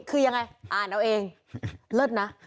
คือยังไงอ่านเอาเองเลิศนะ